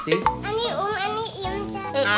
อันนี้อุ๋มอันนี้อิ่มกัน